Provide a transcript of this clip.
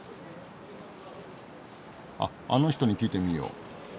あっあの人に聞いてみよう。